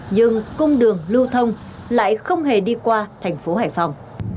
nhưng cung đường lưu thông lại không hề đi qua thành phố hải phòng